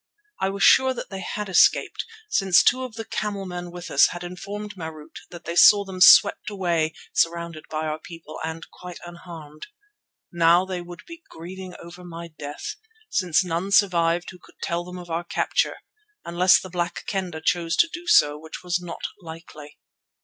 I was sure that they had escaped, since two of the camelmen with us had informed Marût that they saw them swept away surrounded by our people and quite unharmed. Now they would be grieving over my death, since none survived who could tell them of our capture, unless the Black Kendah chose to do so, which was not likely.